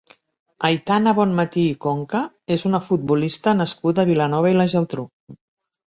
Aitana Bonmatí i Conca és una futbolista nascuda a Vilanova i la Geltrú.